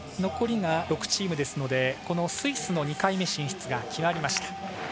残りが６チームですのでスイスの２回目進出が決まりました。